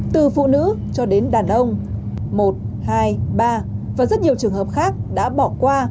từ phụ nữ cho đến đàn ông một hai ba và rất nhiều trường hợp khác đã bỏ qua